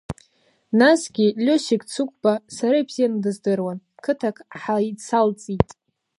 Насгьы Лиосик Цыгәба сара ибзианы дыздыруан, қыҭак ҳаицалҵит.